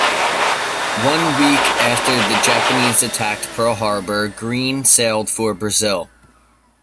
One week after the Japanese attacked Pearl Harbor, "Greene" sailed for Brazil.